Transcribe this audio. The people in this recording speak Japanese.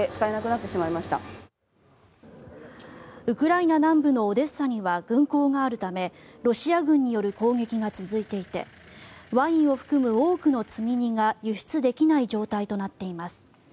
ウクライナ南部のオデッサには軍港があるためロシア軍による攻撃が続いていてワインを含む多くの積み荷が輸出できない状態となっています。